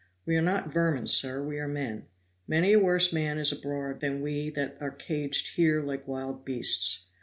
We are not vermin, sir, we are men. Many a worse man is abroad than we that are caged here like wild beasts.